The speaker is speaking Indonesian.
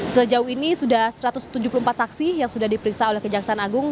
sejauh ini sudah satu ratus tujuh puluh empat saksi yang sudah diperiksa oleh kejaksaan agung